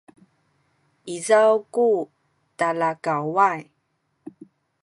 izaw ku talakaway